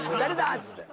っつって。